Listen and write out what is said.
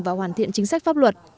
và hoàn thiện chính sách pháp luật